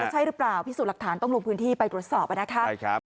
ใช่หรือเปล่าพิสูจน์หลักฐานต้องลงพื้นที่ไปตรวจสอบนะคะใช่ครับ